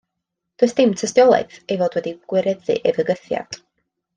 Does dim tystiolaeth ei fod wedi gwireddu ei fygythiad.